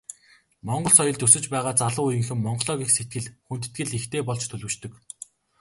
Монгол соёлд өсөж байгаа залуу үеийнхэн Монголоо гэх сэтгэл, хүндэтгэл ихтэй болж төлөвшдөг.